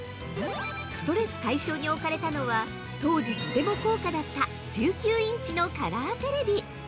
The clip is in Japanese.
◆ストレス解消に置かれたのは当時、とても高価だった１９インチのカラーテレビ。